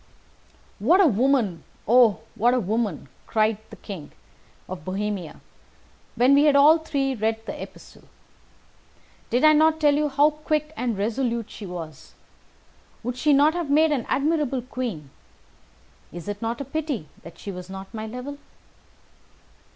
"What a woman oh, what a woman!" cried the King of Bohemia, when we had all three read this epistle. "Did I not tell you how quick and resolute she was? Would she not have made an admirable queen? Is it not a pity that she was not on my level?"